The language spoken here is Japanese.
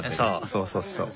そうそうそうそう。